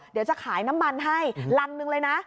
เดี๋ยวจะขายน้ำมันให้รังหนึ่งเลยนะ